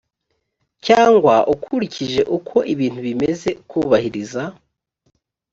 cyangwa ukurikije uko ibintu bimeze kubahiriza